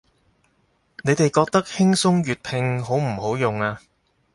你哋覺得輕鬆粵拼好唔好用啊